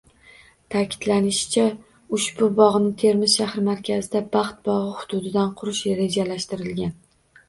Ta’kidlanishicha, ushbu bog‘ni Termiz shahri markazidagi Baxt bog‘i hududidan qurish rejalashtirilgan